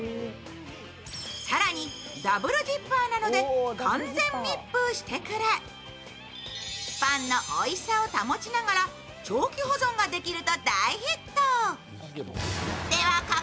更に、ダブルジッパーなので完全密封してくれパンのおいしさを保ちながら長期保存ができると大ヒット。